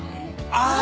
ああ！